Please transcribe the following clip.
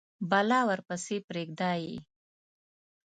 بلا ورپسي پریده یﺉ